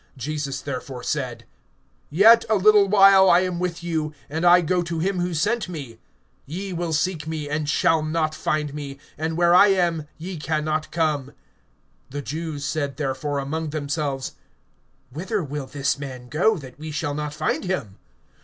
(33)Jesus therefore said: Yet a little while I am with you, and I go to him who sent me. (34)Ye will seek me, and shall not find me; and where I am, ye can not come. (35)The Jews said therefore among themselves: Whither will this man go, that we shall not find him?